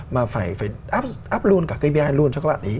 mà phải up luôn cả kbi luôn cho các bạn ý